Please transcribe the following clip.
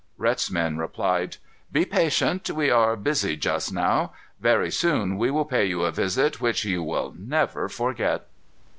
Rhet's men replied, "Be patient. We are busy just now. Very soon we will pay you a visit which you will never forget."